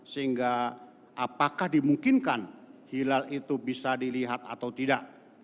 sehingga apakah dimungkinkan hilal itu bisa dilihat atau tidak